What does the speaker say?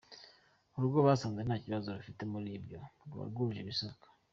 Urugo basanze nta kibazo rufite muri ibyo, ruba rwujuje ibisabwa.